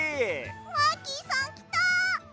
マーキーさんきた！